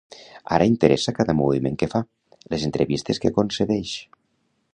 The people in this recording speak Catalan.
Ara interessa cada moviment que fa, les entrevistes que concedeix.